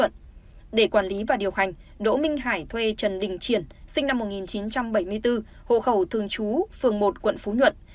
để quản lý và điều hành đỗ minh hải thuê trần đình triển sinh năm một nghìn chín trăm bảy mươi bốn hộ khẩu thường trú phường một quận phú nhuận